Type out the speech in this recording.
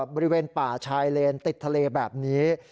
บริเวณป่าชายเลนติดทะเลแบบนี้